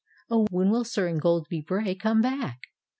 Oh, when will Sir Ingoldsby Bray come back?